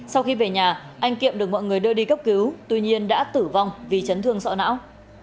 sau khi về nhà anh kiệm được mọi người đưa đi cấp cứu tuy nhiên đã tử vong vì chấn thương sọ não